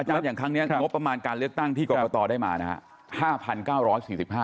อันอื่นอย่างครั้งนี้งบประมาณการเลือกตั้งที่กรกฎาได้มา